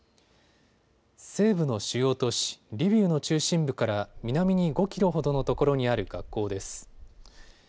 西部の主要都市、リビウの中心部から南に５キロほどのところにある学校です。